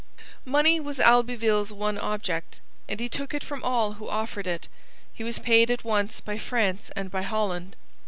Money was Albeville's one object; and he took it from all who offered it. He was paid at once by France and by Holland.